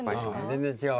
全然違う。